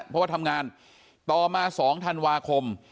เพราะว่าทำงานต่อมา๒ธันวาคม